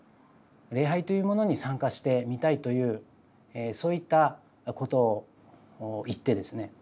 「礼拝というものに参加してみたい」というそういったことを言ってですね。